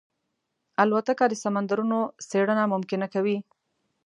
الوتکه د سمندرونو څېړنه ممکنه کوي.